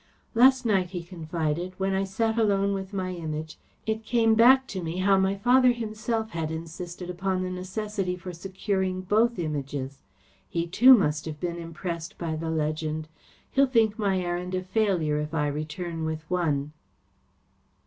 "Last night," he confided, "when I sat alone with my Image, it came back to me how my father himself had insisted upon the necessity for securing both Images. He too must have been impressed by the legend. He'll think my errand a failure if I return with one."